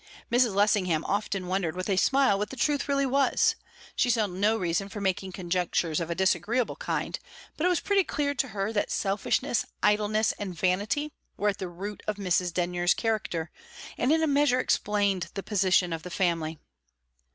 Mrs. Lessingham often wondered with a smile what the truth really was; she saw no reason for making conjectures of a disagreeable kind, but it was pretty clear to her that selfishness, idleness, and vanity were at the root of Mrs. Denyer's character, and in a measure explained the position of the family.